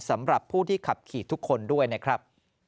สำหรับผู้ที่ขับขี่ทุกคนด้วยนะครับ